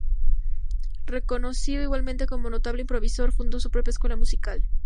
Reconocido igualmente como notable improvisador, fundó su propia escuela musical.